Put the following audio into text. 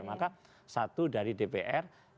maka satu dari dpr